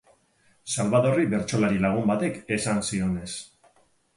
Xalbadorri bertsolari lagun batek esan zionez.